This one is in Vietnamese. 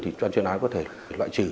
chúng tôi chưa nói có thể loại trừ